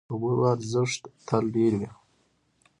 د خبرو ارزښت تل ډېر وي